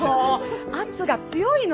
圧が強いのよ！